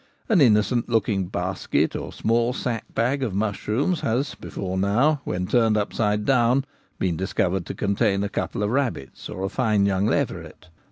An innocent looking basket or small sack bag of mushrooms has before now, when turned upside down, been discovered to contain a couple of rabbits or a fine young leveret.